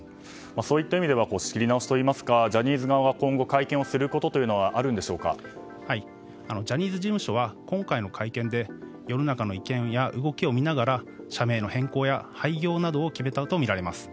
そういった意味では仕切り直しといいますかジャニーズ側が今後、会見をすることはジャニーズ事務所は今回の会見で世の中の意見や動きを見ながら、社名の変更や廃業などを決めたとみられます。